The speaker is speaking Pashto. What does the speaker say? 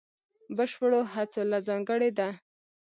بشپړو هڅو له ځانګړې ده.